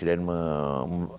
kalau terjadi begitu ya persis